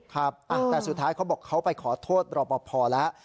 ครับแต่สุดท้ายเขาบอกเขาไปขอโทษรอปภแล้ว